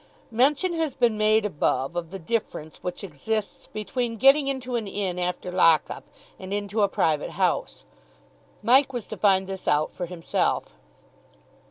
Mention has been made above of the difference which exists between getting into an inn after lock up and into a private house. Mike was to find this out for himself.